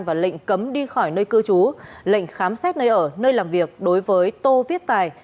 và lệnh cấm đi khỏi nơi cư trú lệnh khám xét nơi ở nơi làm việc đối với tô viết tài